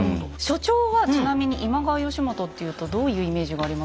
所長はちなみに今川義元っていうとどういうイメージがありますか？